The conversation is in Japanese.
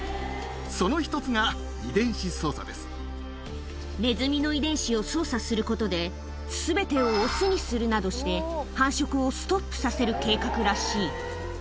その一つが、ネズミの遺伝子を操作することで、すべてを雄にするなどして、繁殖をストップさせる計画らしい。